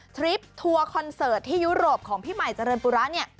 คลิปทัวร์คอนเสิร์ตที่ยุโรปของพี่ใหม่เจริญปุระเนี่ย